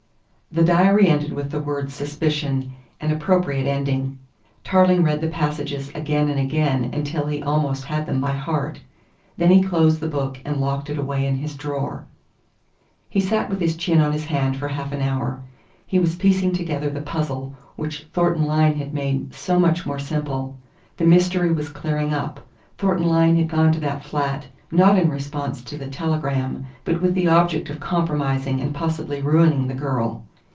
The diary ended with the word "suspicion," an appropriate ending. Tarling read the passages again and again until he almost had them by heart. Then he closed the book and locked it away in his drawer. He sat with his chin on his hand for half an hour. He was piecing together the puzzle which Thornton Lyne had made so much more simple. The mystery was clearing up. Thornton Lyne had gone to that flat not in response to the telegram, but with the object of compromising and possibly ruining the girl.